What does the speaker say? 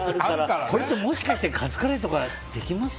これってもしかしてカツカレーできます？